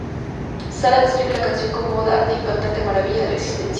Sarah describe la canción como "oda a la impactante maravilla de la existencia".